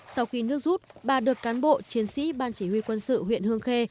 sau khi nước rút bà được cán bộ chiến sĩ ban chỉ huy quân sự huyện hương khê